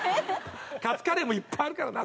カツカレーもいっぱいあるからな。